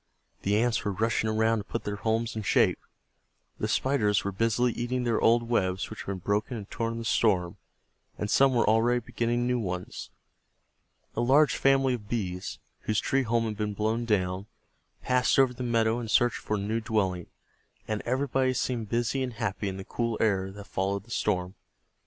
The Ants were rushing around to put their homes in shape, the Spiders were busily eating their old webs, which had been broken and torn in the storm, and some were already beginning new ones. A large family of Bees, whose tree home had been blown down, passed over the meadow in search for a new dwelling, and everybody seemed busy and happy in the cool air that followed the storm.